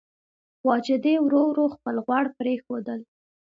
واجدې ورو ورو خپل غوړ پرېښودل.